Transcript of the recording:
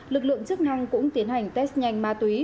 lực lượng chức năng cũng tiến hành test nhanh ma túy